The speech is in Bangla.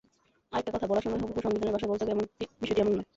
আরেকটা কথা, বলার সময় হুবহু সংবিধানের ভাষায় বলতে হবে বিষয়টি এমন নয়।